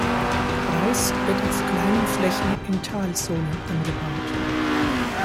Reis wird auf kleinen Flächen in Talsohlen angebaut.